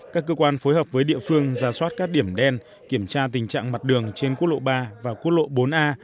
các cơ quan phối hợp với địa phương ra soát các điểm đen kiểm tra tình trạng mặt đường trên quốc lộ ba và quốc lộ bốn a